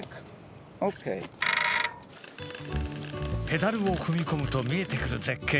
ペダルを踏み込むと見えてくる絶景。